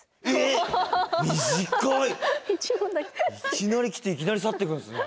いきなり来ていきなり去ってくんですね。